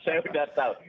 saya sudah tahu